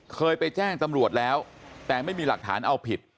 เคยไปแจ้งตำรวจแล้วแต่ไม่มีหลักฐานเอาผิด